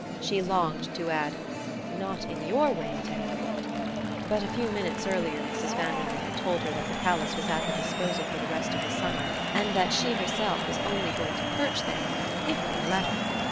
She longed to add: "Not in your way, at any rate " but a few minutes earlier Mrs. Vanderlyn had told her that the palace was at her disposal for the rest of the summer, and that she herself was only going to perch there if they'd let her!